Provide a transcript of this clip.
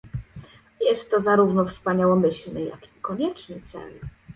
Jest to zarówno wspaniałomyślny, jak i konieczny cel